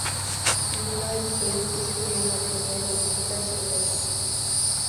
In the United States, this period has been labelled the Progressive Era.